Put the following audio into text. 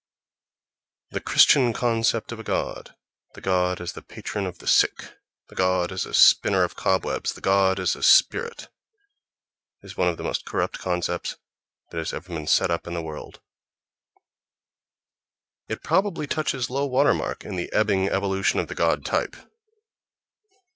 The Christian concept of a god—the god as the patron of the sick, the god as a spinner of cobwebs, the god as a spirit—is one of the most corrupt concepts that has ever been set up in the world: it probably touches low water mark in the ebbing evolution of the god type.